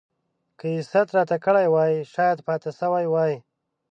که يې ست راته کړی وای شايد پاته سوی وای.